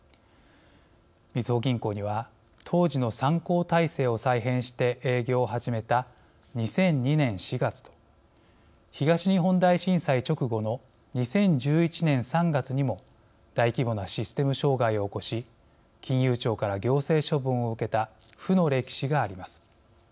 みずほ銀行には当時の３行体制を再編して営業を始めた２００２年４月と東日本大震災直後の２０１１年３月にも大規模なシステム障害を起こし金融庁から行政処分を受けた負の歴史があります。